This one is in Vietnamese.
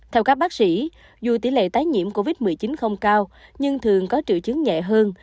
theo các bác sĩ dù tỷ lệ tái nhiễm covid một mươi chín không cao nhưng thường có triệu chứng nhẹ hơn